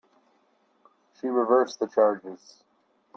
She reversed the charges.